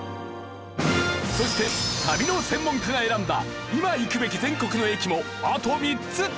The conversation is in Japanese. そして旅の専門家が選んだ今行くべき全国の駅もあと３つ！